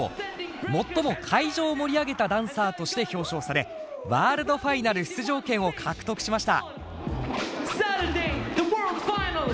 最も会場を盛り上げたダンサーとして表彰されワールドファイナル出場権を獲得しました。